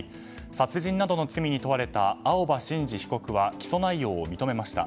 殺人などの罪に問われた青葉真司被告は起訴内容を認めました。